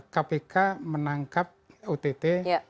kpk menangkap ott